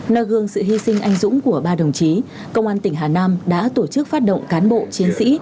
nơi gương sự hy sinh anh dũng của ba đồng chí công an tỉnh hà nam đã tổ chức phát động cán bộ chiến sĩ